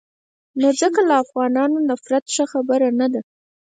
نو ځکه له افغانانو نفرت ښه خبره نه ده.